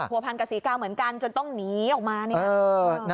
พันกับศรีกาเหมือนกันจนต้องหนีออกมาเนี่ย